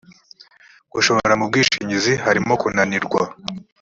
gushora mu bwishingizi harimo kunanirwa